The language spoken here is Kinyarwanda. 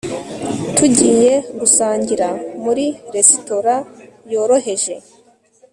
tugiye gusangira muri resitora yoroheje